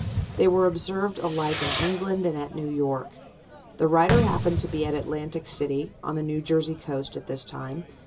They were observed alike in England and at New York. The writer happened to be at Atlantic City, on the New Jersey coast, at this time.